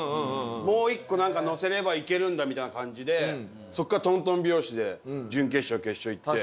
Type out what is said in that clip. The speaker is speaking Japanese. もう一個なんかのせればいけるんだみたいな感じでそこからトントン拍子で準決勝決勝行って。